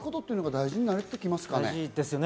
大事ですね。